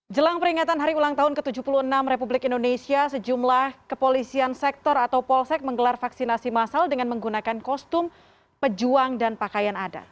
jelang peringatan hari ulang tahun ke tujuh puluh enam republik indonesia sejumlah kepolisian sektor atau polsek menggelar vaksinasi masal dengan menggunakan kostum pejuang dan pakaian adat